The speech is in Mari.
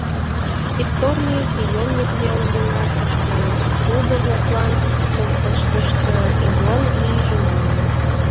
Детекторный приёмник веле гынат, пошкудо-влаклан колышташышт йӧн лийже манын.